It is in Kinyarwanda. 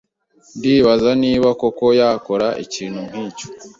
Ndibaza niba koko yakora ikintu nkicyo.